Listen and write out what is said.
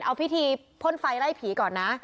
เอาพิธีพ่นไฟไล่ผีก่อนนะ